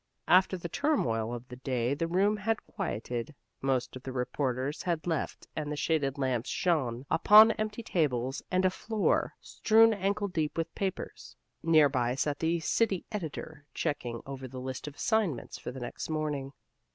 After the turmoil of the day the room had quieted, most of the reporters had left, and the shaded lamps shone upon empty tables and a floor strewn ankle deep with papers. Nearby sat the city editor, checking over the list of assignments for the next morning.